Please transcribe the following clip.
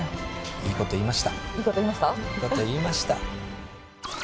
いい事言いました。